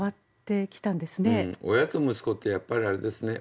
親と息子ってやっぱりあれですね